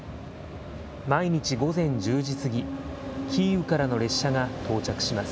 毎日午前１０時過ぎ、キーウからの列車が到着します。